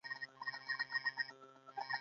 افغانستان له انګریزانو څخه خپلواکي تر لاسه کړه.